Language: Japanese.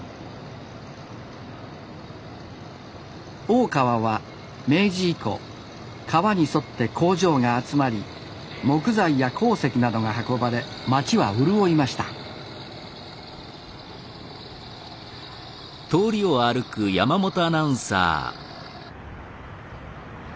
大川は明治以降川に沿って工場が集まり木材や鉱石などが運ばれ街は潤いました川沿いの街天満。